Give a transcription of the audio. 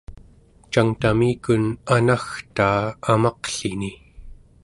cangtamikun anagtaa amaqlini